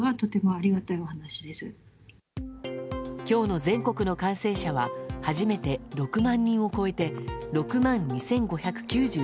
今日の全国の感染者は初めて６万人を超えて６万２５９９人。